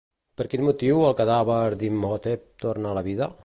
Per quin motiu el cadàver d'Imhotep torna a la vida?